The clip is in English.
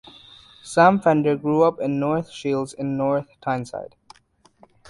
Sam Fender grew up in North Shields in North Tyneside.